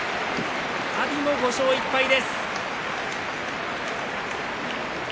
阿炎も５勝１敗です。